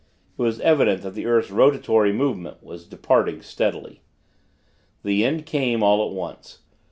It was evident that the earth's rotatory movement was departing, steadily. The end came, all at once.